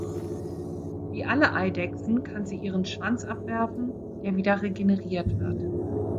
Wie alle Eidechsen kann sie ihren Schwanz abwerfen, der wieder regeneriert wird.